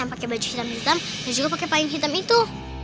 pakai baju hitam hitam dan juga pakai payung hitam itu